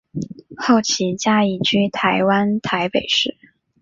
后其家移居台湾台北市。